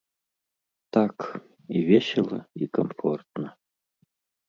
Так, і весела, і камфортна.